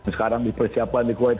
sekarang dipersiapkan di kuwait